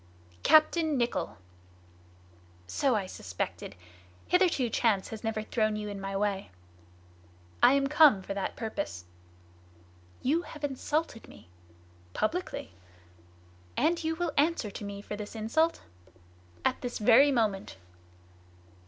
"Captain Nicholl!" "So I suspected. Hitherto chance has never thrown you in my way." "I am come for that purpose." "You have insulted me." "Publicly!" "And you will answer to me for this insult?" "At this very moment."